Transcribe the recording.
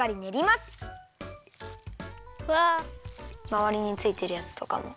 まわりについてるやつとかも。